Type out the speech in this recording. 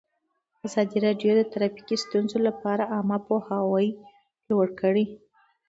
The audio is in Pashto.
ازادي راډیو د ټرافیکي ستونزې لپاره عامه پوهاوي لوړ کړی.